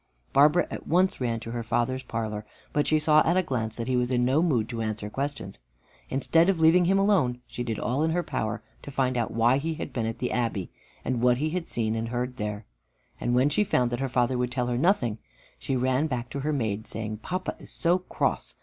Barbara at once ran to her father's parlor, but saw at a glance that he was in no mood to answer questions. Instead of leaving him alone, she did all in her power to find out why he had been at the Abbey, and what he had seen and heard there. And when she found that her father would tell her nothing, she ran back to her maid, saying, "Papa is so cross!